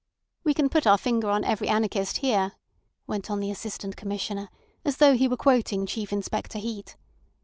"We can put our finger on every anarchist here," went on the Assistant Commissioner, as though he were quoting Chief Inspector Heat.